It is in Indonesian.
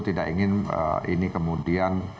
tidak ingin ini kemudian